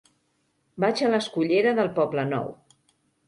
Vaig a la escullera del Poblenou.